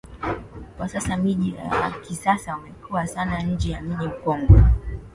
Kwa sasa mji wa kisasa umekuwa sana nje ya mji mkongwe